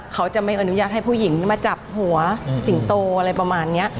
เขาจะไม่อนุญาตให้ผู้หญิงมาจับหัวสิงโตอะไรประมาณนี้